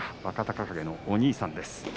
若隆景のお兄さんです。